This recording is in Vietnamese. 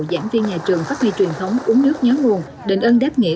giảng viên nhà trường phát huy truyền thống uống nước nhóm nguồn đệnh ân đáp nghĩa